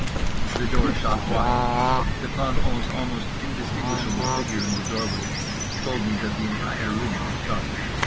The door shot wide. The planton's almost indistinguishable figure in the doorway told me that the entire room was dark.